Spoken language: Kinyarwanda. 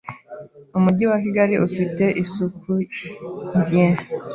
Umujyi wa Kigali ufite isuku nye